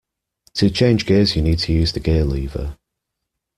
To change gears you need to use the gear-lever